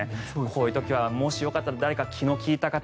こういう時はもしよかったら誰か気の利いた方。